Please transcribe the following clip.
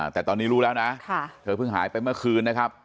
แต่ตอนนี้รู้แล้วนะเธอเพิ่งหายไปเมื่อคืนนะครับ